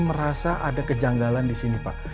merasa ada kejanggalan di sini pak